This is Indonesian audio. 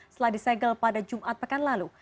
setelah disegel pada jumat pekan lalu